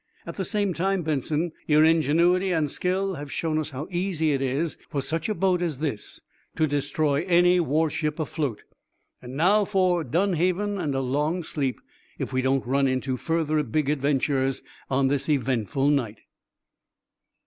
"At the same time, Benson, your ingenuity and skill have shown us how easy it is for such a boat as this to destroy any warship afloat. And now, for Dunhaven and a long sleep if we don't run into further big adventures on this eventful night."